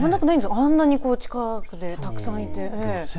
あんなに近くでたくさんいて。